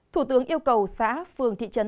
thủ tướng yêu cầu xã phường thị trấn